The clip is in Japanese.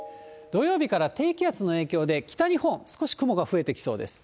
土曜日から低気圧の影響で北日本、少し雲が増えてきそうです。